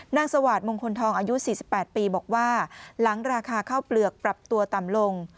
สวาดมงคลทองอายุ๔๘ปีบอกว่าหลังราคาข้าวเปลือกปรับตัวต่ำลง